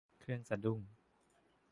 เครื่องสะดุ้ง